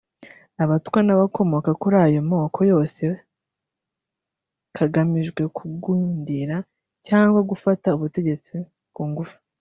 abatwa n’abakomoka kuri ayo moko yose kagamije kugundira cyangwa gufata ubutegetsi ku ngufu